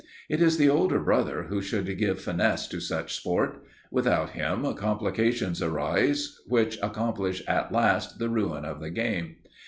It is the older brother who should give finesse to such sport. Without him, complications arise which accomplish at last the ruin of the game.